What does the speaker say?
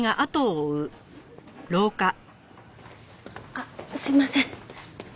あっすいません。